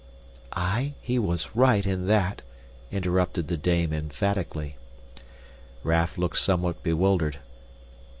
"Aye, he was right in that," interrupted the dame emphatically. Raff looked somewhat bewildered.